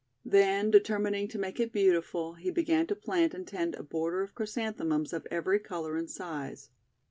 Then, determining to make it beautiful, he began to plant and tend a border of Chrysan themums of every colour and size.